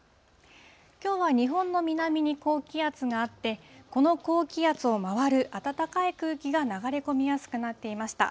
きょうは日本の南に高気圧があって、この高気圧を回る暖かい空気が流れ込みやすくなっていました。